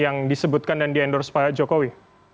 yang disebutkan dan diendorse pak jokowi